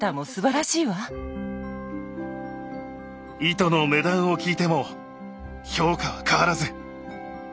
糸の値段を聞いても評価は変わらず。